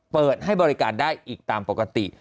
เปิดให้บริการได้อีกตามปกติ